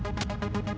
p ephran ending senang